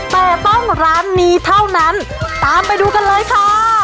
แต่ต้องร้านนี้เท่านั้นตามไปดูกันเลยค่ะ